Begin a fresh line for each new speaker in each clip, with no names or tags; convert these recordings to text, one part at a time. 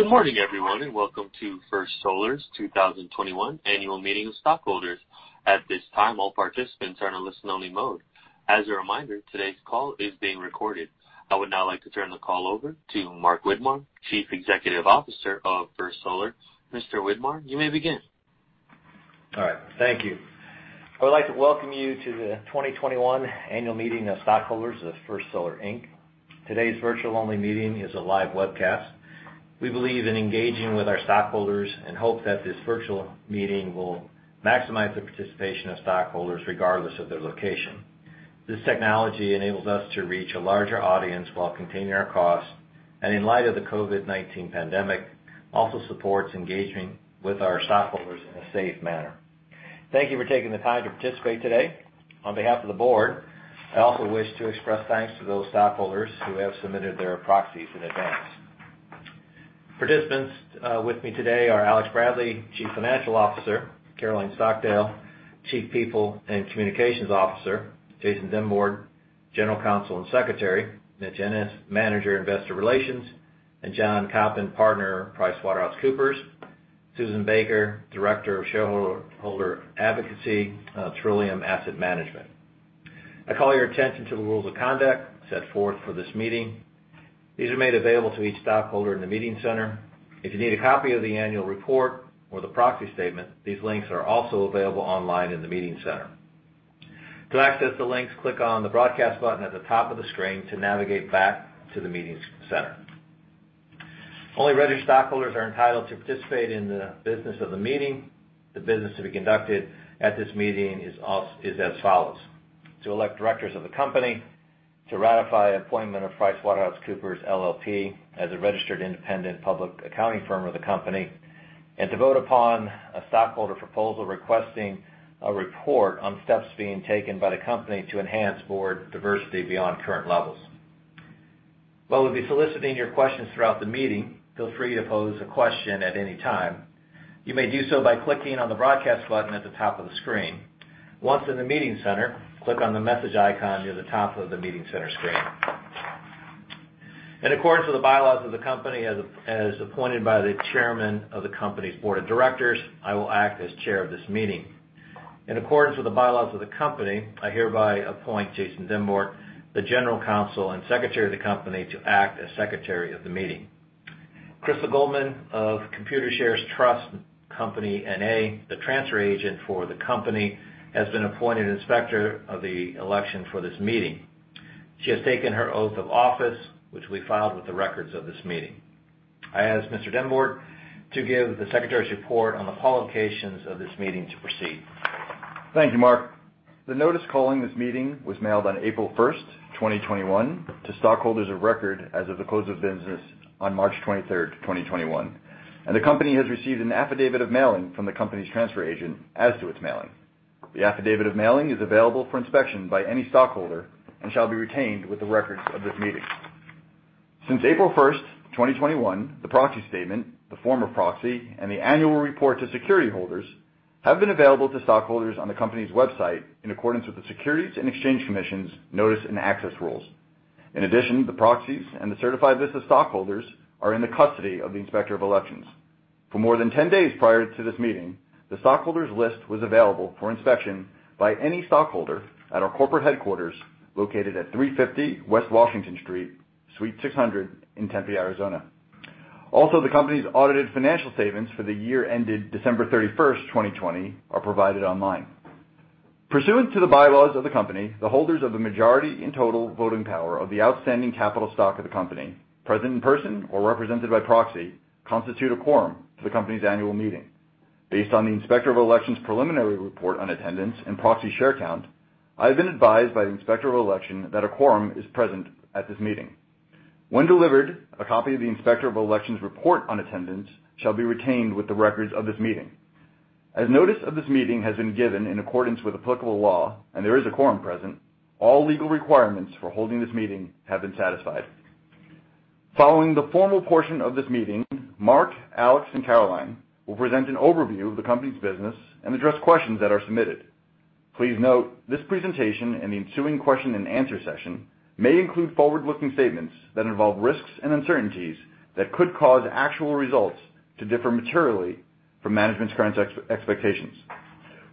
Good morning, everyone, and welcome to First Solar's 2021 annual meeting of stockholders. I would now like to turn the call over to Mark Widmar, Chief Executive Officer of First Solar. Mr. Widmar, you may begin.
All right. Thank you. I would like to welcome you to the 2021 annual meeting of stockholders of First Solar, Inc. Today's virtual only meeting is a live webcast. We believe in engaging with our stockholders and hope that this virtual meeting will maximize the participation of stockholders regardless of their location. This technology enables us to reach a larger audience while containing our costs, and in light of the COVID-19 pandemic, also supports engagement with our stockholders in a safe manner. Thank you for taking the time to participate today. On behalf of the board, I also wish to express thanks to those stockholders who have submitted their proxies in advance. Participants with me today are Alex Bradley, Chief Financial Officer, Caroline Stockdale, Chief People and Communications Officer, Jason Dymbort, General Counsel and Secretary, Mitch Ennis, Manager, Investor Relations, and John Koppen, Partner, PricewaterhouseCoopers, Susan Baker, Director of Shareholder Advocacy, Trillium Asset Management. I call your attention to the rules of conduct set forth for this meeting. These are made available to each stockholder in the meeting center. If you need a copy of the annual report or the proxy statement, these links are also available online in the meeting center. To access the links, click on the broadcast button at the top of the screen to navigate back to the meetings center. Only registered stockholders are entitled to participate in the business of the meeting. The business to be conducted at this meeting is as follows, to elect directors of the company, to ratify appointment of PricewaterhouseCoopers LLP as a registered independent public accounting firm of the company, and to vote upon a stockholder proposal requesting a report on steps being taken by the company to enhance board diversity beyond current levels. While we'll be soliciting your questions throughout the meeting, feel free to pose a question at any time. You may do so by clicking on the broadcast button at the top of the screen. Once in the meeting center, click on the message icon near the top of the meeting center screen. In accordance with the bylaws of the company, as appointed by the chairman of the company's board of directors, I will act as chair of this meeting. In accordance with the bylaws of the company, I hereby appoint Jason Dymbort, the General Counsel and Secretary of the company, to act as Secretary of the meeting. Crystal Goldman of Computershare Trust Company, N.A., the transfer agent for the company, has been appointed Inspector of the election for this meeting. She has taken her oath of office, which we filed with the records of this meeting. I ask Mr. Dymbort to give the secretary's report on the qualifications of this meeting to proceed.
Thank you, Mark. The notice calling this meeting was mailed on April 1st, 2021 to stockholders of record as of the close of business on March 23rd, 2021. The company has received an affidavit of mailing from the company's transfer agent as to its mailing. The affidavit of mailing is available for inspection by any stockholder and shall be retained with the records of this meeting. Since April 1st, 2021, the proxy statement, the form of proxy, and the annual report to security holders have been available to stockholders on the company's website in accordance with the Securities and Exchange Commission's Notice and Access rules. In addition, the proxies and the certified list of stockholders are in the custody of the Inspector of Elections. For more than 10 days prior to this meeting, the stockholders list was available for inspection by any stockholder at our corporate headquarters, located at 350 West Washington Street, Suite 600, in Tempe, Arizona. Also, the company's audited financial statements for the year ended December 31st, 2020 are provided online. Pursuant to the bylaws of the company, the holders of the majority in total voting power of the outstanding capital stock of the company, present in person or represented by proxy, constitute a quorum to the company's annual meeting. Based on the Inspector of Elections' preliminary report on attendance and proxy share count, I have been advised by the Inspector of Election that a quorum is present at this meeting. When delivered, a copy of the Inspector of Elections report on attendance shall be retained with the records of this meeting. As notice of this meeting has been given in accordance with applicable law and there is a quorum present, all legal requirements for holding this meeting have been satisfied. Following the formal portion of this meeting, Mark, Alex, and Caroline will present an overview of the company's business and address questions that are submitted. Please note, this presentation and the ensuing question and answer session may include forward-looking statements that involve risks and uncertainties that could cause actual results to differ materially from management's current expectations.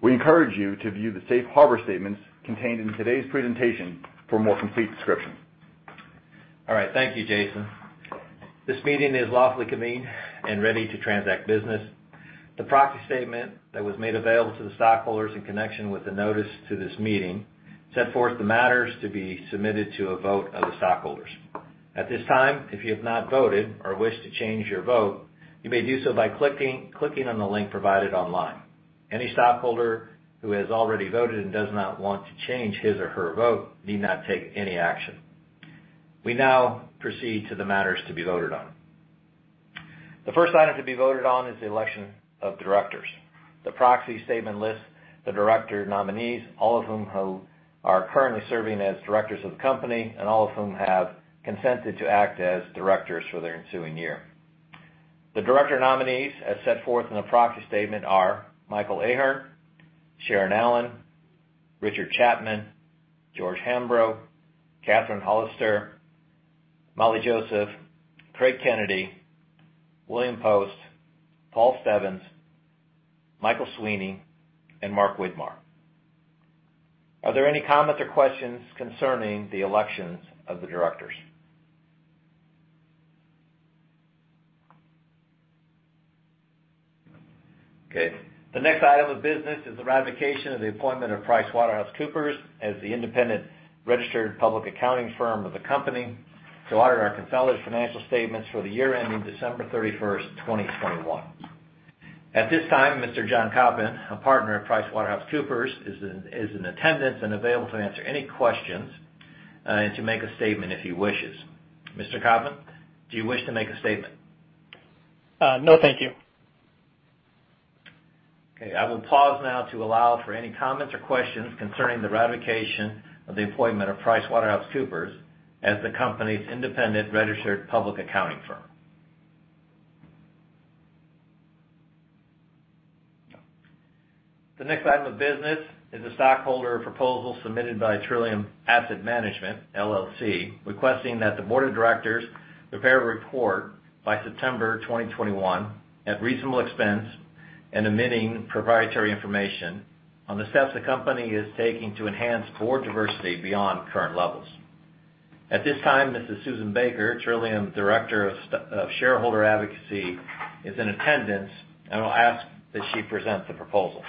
We encourage you to view the safe harbor statements contained in today's presentation for a more complete description.
All right. Thank you, Jason. This meeting is lawfully convened and ready to transact business. The proxy statement that was made available to the stockholders in connection with the notice to this meeting set forth the matters to be submitted to a vote of the stockholders. At this time, if you have not voted or wish to change your vote, you may do so by clicking on the link provided online. Any stockholder who has already voted and does not want to change his or her vote need not take any action. We now proceed to the matters to be voted on. The first item to be voted on is the election of directors. The proxy statement lists the director nominees, all of whom are currently serving as directors of the company and all of whom have consented to act as directors for their ensuing year. The director nominees, as set forth in the proxy statement, are Michael Ahearn, Sharon Allen, Richard Chapman, George Hambro, Kathryn Hollister, Molly Joseph, Craig Kennedy, William Post, Paul Stebbins, Michael Sweeney, and Mark Widmar. Are there any comments or questions concerning the elections of the directors? Okay. The next item of business is the ratification of the appointment of PricewaterhouseCoopers as the independent registered public accounting firm of the company to audit our consolidated financial statements for the year ending December 31st, 2021. At this time, Mr. John Koppen, a partner at PricewaterhouseCoopers, is in attendance and available to answer any questions, and to make a statement if he wishes. Mr. Koppen, do you wish to make a statement?
No, thank you.
Okay. I will pause now to allow for any comments or questions concerning the ratification of the appointment of PricewaterhouseCoopers as the company's independent registered public accounting firm. The next item of business is a stockholder proposal submitted by Trillium Asset Management, LLC, requesting that the board of directors prepare a report by September 2021 at reasonable expense and omitting proprietary information on the steps the company is taking to enhance board diversity beyond current levels. At this time, Mrs. Susan Baker, Trillium Director of Shareholder Advocacy, is in attendance, and I'll ask that she present the proposal.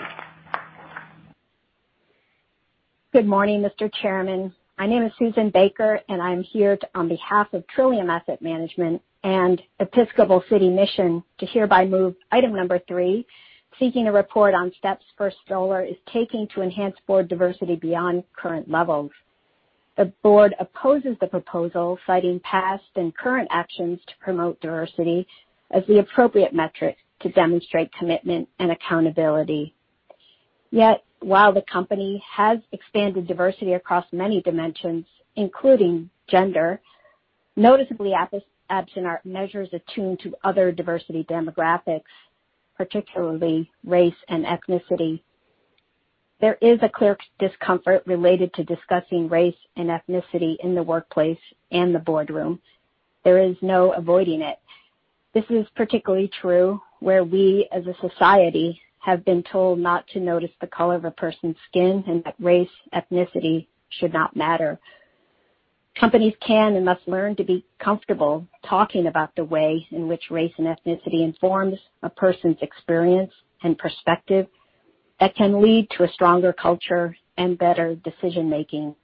Good morning, Mr. Chairman. My name is Susan Baker, and I'm here on behalf of Trillium Asset Management and Episcopal City Mission to hereby move item number three, seeking a report on steps First Solar is taking to enhance board diversity beyond current levels. The board opposes the proposal, citing past and current actions to promote diversity as the appropriate metric to demonstrate commitment and accountability. Yet, while the company has expanded diversity across many dimensions, including gender, noticeably absent are measures attuned to other diversity demographics, particularly race and ethnicity. There is a clear discomfort related to discussing race and ethnicity in the workplace and the boardroom. There is no avoiding it. This is particularly true where we, as a society, have been told not to notice the color of a person's skin, and that race, ethnicity should not matter. Companies can and must learn to be comfortable talking about the way in which race and ethnicity informs a person's experience and perspective that can lead to a stronger culture and better decision-making.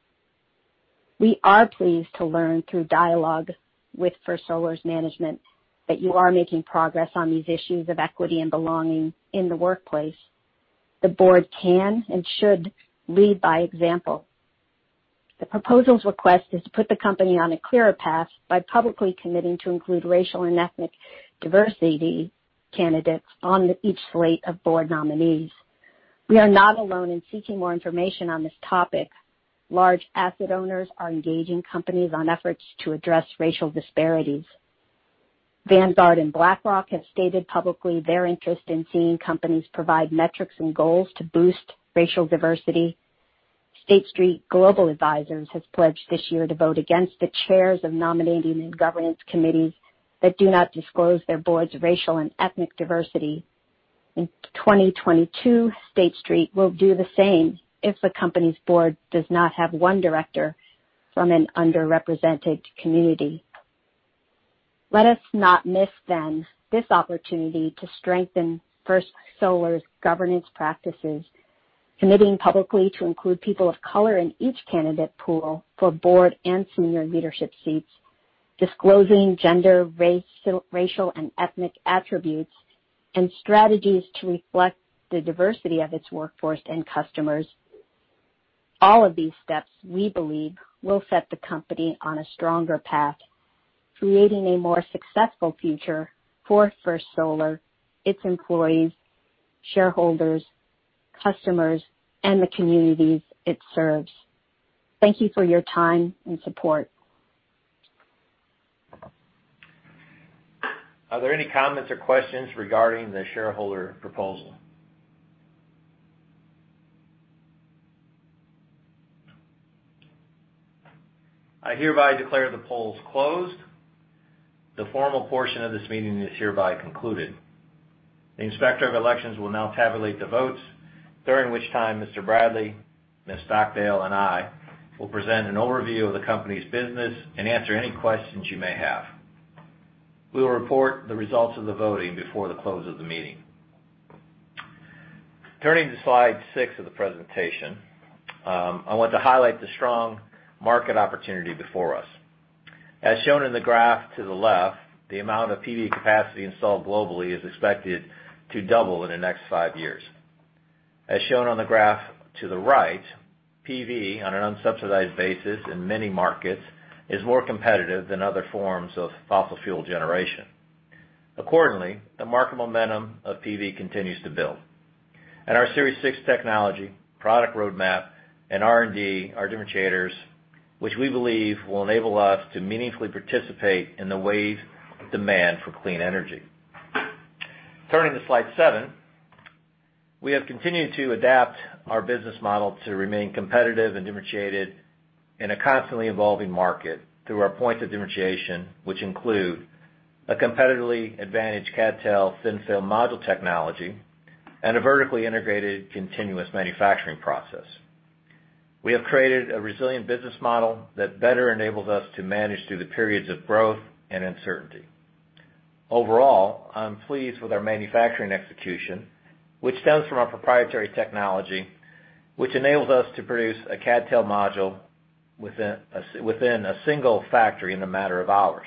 We are pleased to learn through dialogue with First Solar's management that you are making progress on these issues of equity and belonging in the workplace. The board can and should lead by example. The proposal's request is to put the company on a clearer path by publicly committing to include racial and ethnic diversity candidates on each slate of board nominees. We are not alone in seeking more information on this topic. Large asset owners are engaging companies on efforts to address racial disparities. Vanguard and BlackRock have stated publicly their interest in seeing companies provide metrics and goals to boost racial diversity. State Street Global Advisors has pledged this year to vote against the chairs of nominating and governance committees that do not disclose their board's racial and ethnic diversity. In 2022, State Street will do the same if the company's board does not have one director from an underrepresented community. Let us not miss then this opportunity to strengthen First Solar's governance practices, committing publicly to include people of color in each candidate pool for board and senior leadership seats, disclosing gender, racial, and ethnic attributes and strategies to reflect the diversity of its workforce and customers. All of these steps, we believe, will set the company on a stronger path, creating a more successful future for First Solar, its employees, shareholders, customers, and the communities it serves. Thank you for your time and support.
Are there any comments or questions regarding the shareholder proposal? I hereby declare the polls closed. The formal portion of this meeting is hereby concluded. The Inspector of Elections will now tabulate the votes, during which time Mr. Bradley, Ms. Stockdale, and I will present an overview of the company's business and answer any questions you may have. We will report the results of the voting before the close of the meeting. Turning to slide six of the presentation, I want to highlight the strong market opportunity before us. As shown in the graph to the left, the amount of PV capacity installed globally is expected to double in the next five years. As shown on the graph to the right, PV, on an unsubsidized basis in many markets, is more competitive than other forms of fossil fuel generation. Accordingly, the market momentum of PV continues to build. Our Series 6 technology, product roadmap, and R&D are differentiators, which we believe will enable us to meaningfully participate in the wave of demand for clean energy. Turning to slide seven, we have continued to adapt our business model to remain competitive and differentiated in a constantly evolving market through our points of differentiation, which include a competitively advantaged CdTe thin-film module technology and a vertically integrated continuous manufacturing process. We have created a resilient business model that better enables us to manage through the periods of growth and uncertainty. Overall, I'm pleased with our manufacturing execution, which stems from our proprietary technology, which enables us to produce a CdTe module within a single factory in a matter of hours.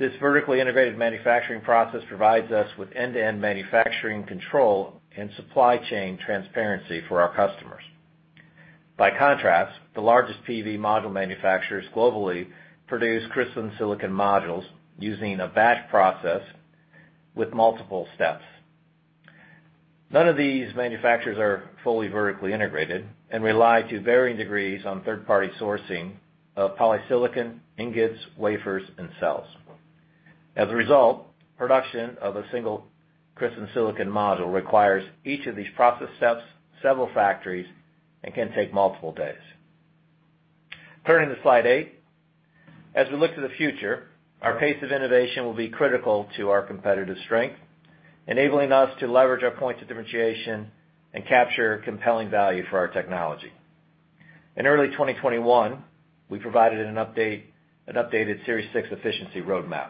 This vertically integrated manufacturing process provides us with end-to-end manufacturing control and supply chain transparency for our customers. By contrast, the largest PV module manufacturers globally produce crystalline silicon modules using a batch process with multiple steps. None of these manufacturers are fully vertically integrated and rely to varying degrees on third-party sourcing of polysilicon, ingots, wafers, and cells. As a result, production of a single crystalline silicon module requires each of these process steps, several factories, and can take multiple days. Turning to slide eight. As we look to the future, our pace of innovation will be critical to our competitive strength, enabling us to leverage our points of differentiation and capture compelling value for our technology. In early 2021, we provided an updated Series 6 efficiency roadmap.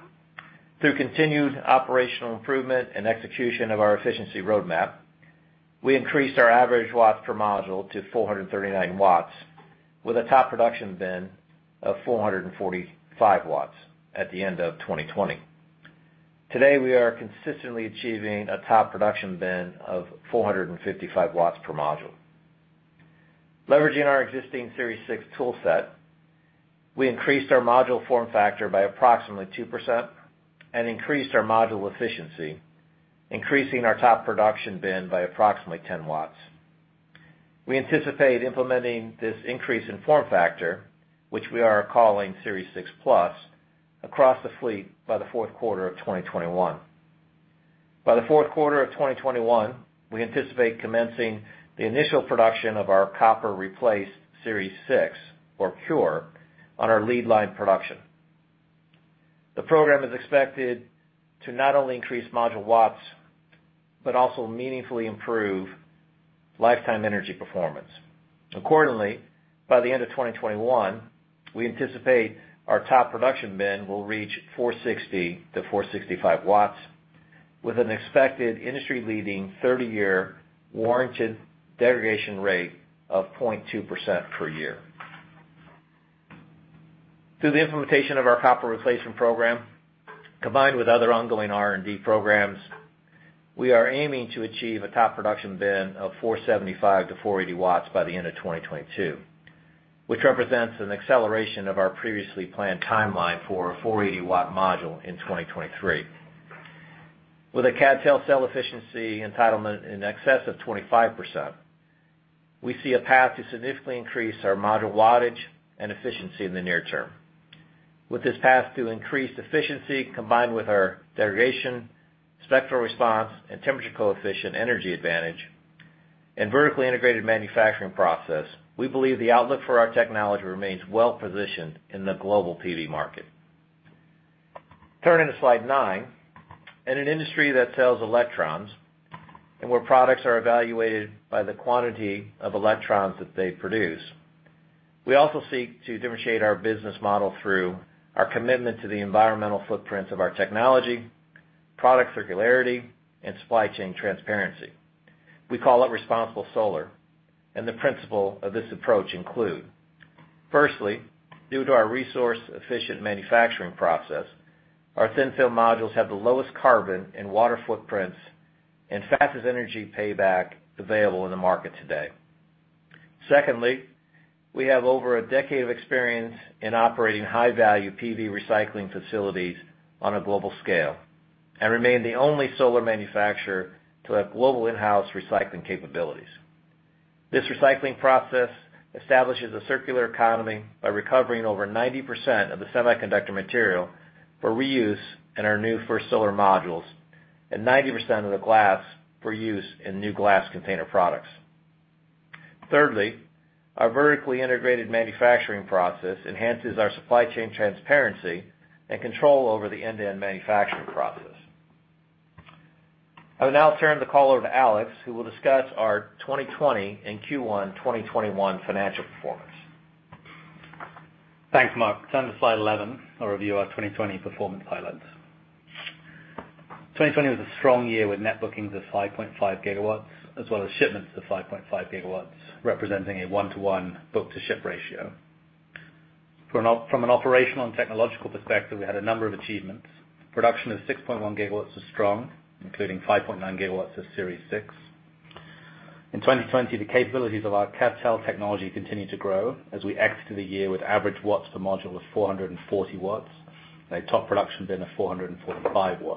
Through continued operational improvement and execution of our efficiency roadmap, we increased our average watts per module to 439 W, with a top production bin of 445 W at the end of 2020. Today, we are consistently achieving a top production bin of 455 W per module. Leveraging our existing Series 6 toolset, we increased our module form factor by approximately 2% and increased our module efficiency, increasing our top production bin by approximately 10 W. We anticipate implementing this increase in form factor, which we are calling Series 6 Plus, across the fleet by the fourth quarter of 2021. By the fourth quarter of 2021, we anticipate commencing the initial production of our copper replacement Series 6, or CuRe, on our lead line production. The program is expected to not only increase module watts, but also meaningfully improve lifetime energy performance. Accordingly, by the end of 2021, we anticipate our top production bin will reach 460 W-465 W, with an expected industry-leading 30-year warranted degradation rate of 0.2% per year. Through the implementation of our copper replacement program, combined with other ongoing R&D programs, we are aiming to achieve a top production bin of 475 W-480 W by the end of 2022, which represents an acceleration of our previously planned timeline for a 480-watt module in 2023. With a CdTe cell efficiency entitlement in excess of 25%, we see a path to significantly increase our module wattage and efficiency in the near term. With this path to increased efficiency, combined with our degradation, spectral response, and temperature coefficient energy advantage, and vertically integrated manufacturing process, we believe the outlook for our technology remains well-positioned in the global PV market. Turning to slide nine. In an industry that sells electrons and where products are evaluated by the quantity of electrons that they produce, we also seek to differentiate our business model through our commitment to the environmental footprints of our technology, product circularity, and supply chain transparency. We call it responsible solar, and the principle of this approach include: firstly, due to our resource-efficient manufacturing process, our thin-film modules have the lowest carbon and water footprints and fastest energy payback available in the market today. Secondly, we have over a decade of experience in operating high-value PV recycling facilities on a global scale and remain the only solar manufacturer to have global in-house recycling capabilities. This recycling process establishes a circular economy by recovering over 90% of the semiconductor material for reuse in our new First Solar modules and 90% of the glass for use in new glass container products. Thirdly, our vertically integrated manufacturing process enhances our supply chain transparency and control over the end-to-end manufacturing process. I will now turn the call over to Alex, who will discuss our 2020 and Q1 2021 financial performance.
Thanks, Mark. Turn to slide 11. I'll review our 2020 performance highlights. 2020 was a strong year with net bookings of 5.5 GW, as well as shipments of 5.5 GW, representing a one-to-one book-to-ship ratio. From an operational and technological perspective, we had a number of achievements. Production of 6.1 GW was strong, including 5.9 GW of Series 6. In 2020, the capabilities of our CdTe technology continued to grow as we exited the year with average watts per module of 440 W and a top production bin of 445 W.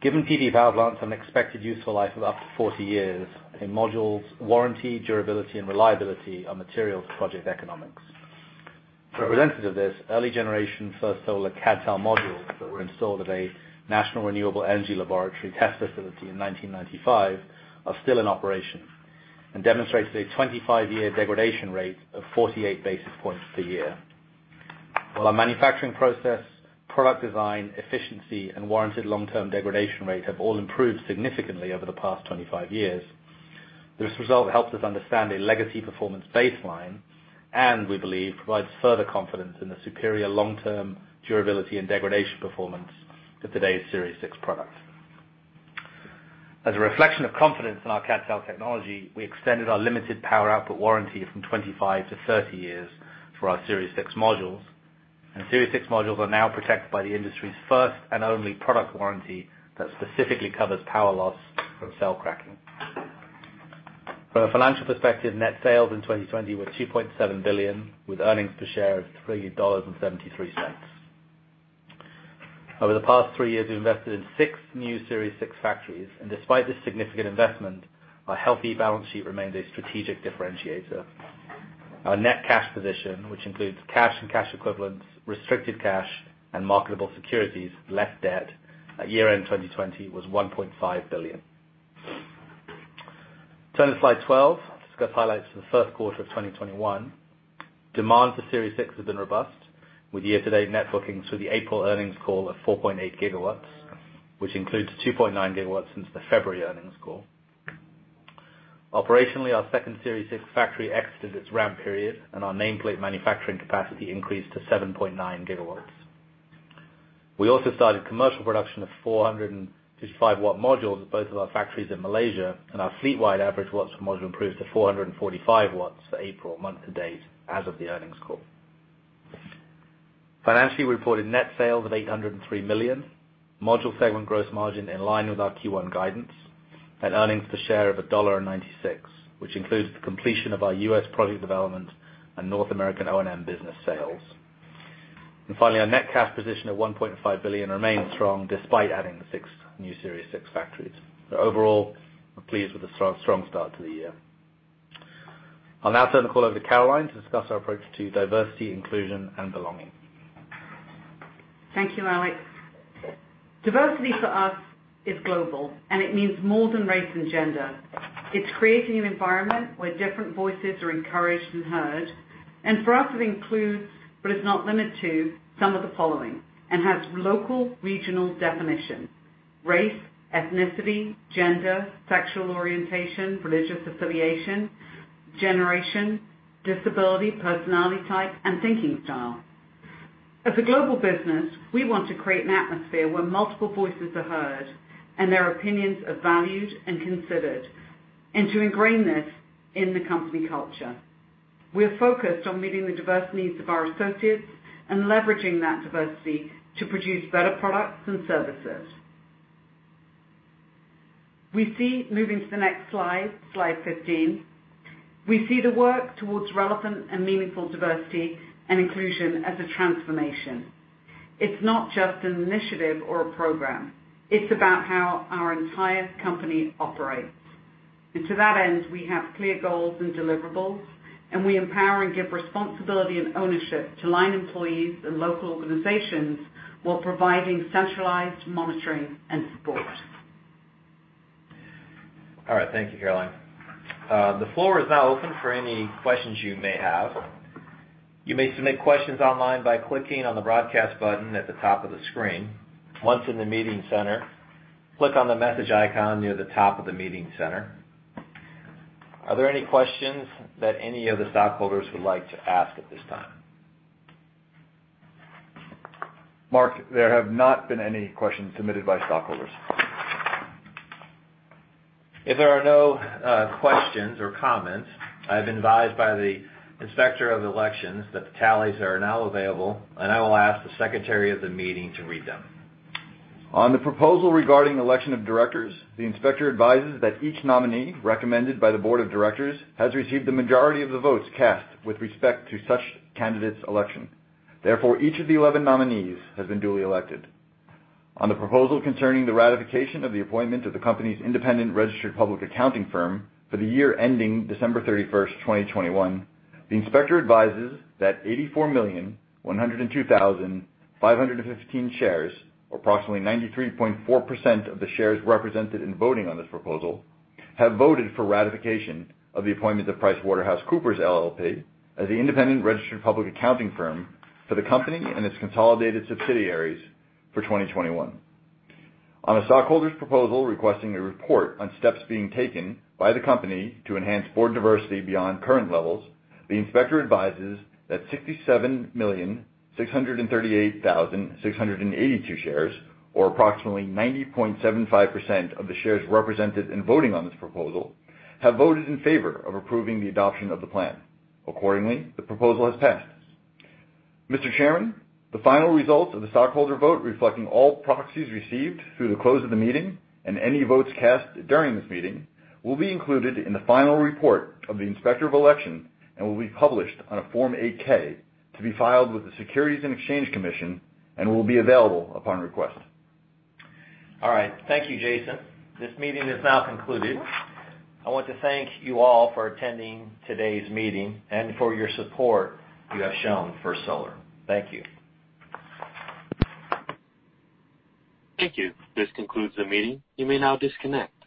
Given PV power plants an expected useful life of up to 40 years, a module's warranty, durability, and reliability are material to project economics. Representative of this, early generation First Solar CdTe modules that were installed at a National Renewable Energy Laboratory test facility in 1995 are still in operation and demonstrate a 25-year degradation rate of 48 basis points per year. While our manufacturing process, product design, efficiency, and warranted long-term degradation rate have all improved significantly over the past 25 years, this result helps us understand a legacy performance baseline and, we believe, provides further confidence in the superior long-term durability and degradation performance of today's Series 6 products. As a reflection of confidence in our CdTe technology, we extended our limited power output warranty from 25-30 years for our Series 6 modules, and Series 6 modules are now protected by the industry's first and only product warranty that specifically covers power loss from cell cracking. From a financial perspective, net sales in 2020 were $2.7 billion, with earnings per share of $3.73. Over the past three years, we invested in six new Series 6 factories, and despite this significant investment, our healthy balance sheet remained a strategic differentiator. Our net cash position, which includes cash and cash equivalents, restricted cash, and marketable securities, less debt, at year-end 2020 was $1.5 billion. Turning to slide 12, discuss highlights for the first quarter of 2021. Demand for Series 6 has been robust, with year-to-date net bookings through the April earnings call of 4.8 GW, which includes 2.9 GW since the February earnings call. Operationally, our second Series 6 factory exited its ramp period, and our nameplate manufacturing capacity increased to 7.9 GW. We also started commercial production of 455-watt modules at both of our factories in Malaysia, and our fleet-wide average watts per module improved to 445 W for April month to date as of the earnings call. Financially, we reported net sales of $803 million, module segment gross margin in line with our Q1 guidance, and earnings per share of $1.96, which includes the completion of our U.S. project development and North American O&M business sales. Finally, our net cash position of $1.5 billion remains strong despite adding the six new Series 6 factories overall, we're pleased with the strong start to the year. I'll now turn the call over to Caroline to discuss our approach to diversity, inclusion, and belonging.
Thank you, Alex. Diversity for us is global, and it means more than race and gender. It's creating an environment where different voices are encouraged and heard, and for us, it includes, but is not limited to, some of the following, and has local regional definition, race, ethnicity, gender, sexual orientation, religious affiliation, generation, disability, personality type, and thinking style. As a global business, we want to create an atmosphere where multiple voices are heard and their opinions are valued and considered, and to ingrain this in the company culture. We are focused on meeting the diverse needs of our associates and leveraging that diversity to produce better products and services. We see moving to the next slide 15. We see the work towards relevant and meaningful diversity and inclusion as a transformation. It's not just an initiative or a program. It's about how our entire company operates. To that end, we have clear goals and deliverables, and we empower and give responsibility and ownership to line employees and local organizations while providing centralized monitoring and support.
All right. Thank you, Caroline. The floor is now open for any questions you may have. You may submit questions online by clicking on the Broadcast button at the top of the screen. Once in the meeting center, click on the message icon near the top of the meeting center. Are there any questions that any of the stockholders would like to ask at this time?
Mark, there have not been any questions submitted by stockholders.
If there are no questions or comments, I've been advised by the Inspector of Elections that the tallies are now available, and I will ask the secretary of the meeting to read them.
On the proposal regarding election of directors, the inspector advises that each nominee recommended by the board of directors has received the majority of the votes cast with respect to such candidate's election. Therefore, each of the 11 nominees has been duly elected. On the proposal concerning the ratification of the appointment of the company's independent registered public accounting firm for the year ending December 31st, 2021, the inspector advises that 84,102,515 shares, or approximately 93.4% of the shares represented in voting on this proposal, have voted for ratification of the appointment of PricewaterhouseCoopers, LLP as the independent registered public accounting firm for the company and its consolidated subsidiaries for 2021. On a stockholder's proposal requesting a report on steps being taken by the company to enhance board diversity beyond current levels, the inspector advises that 67,638,682 shares, or approximately 90.75% of the shares represented in voting on this proposal, have voted in favor of approving the adoption of the plan. Accordingly, the proposal has passed. Mr. Chairman, the final results of the stockholder vote reflecting all proxies received through the close of the meeting and any votes cast during this meeting, will be included in the final report of the Inspector of Election and will be published on a Form 8-K to be filed with the Securities and Exchange Commission and will be available upon request.
All right. Thank you, Jason. This meeting is now concluded. I want to thank you all for attending today's meeting, and for your support you have shown First Solar. Thank you.
Thank you. This concludes the meeting. You may now disconnect.